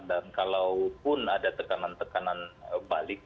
dan kalaupun ada tekanan tekanan balik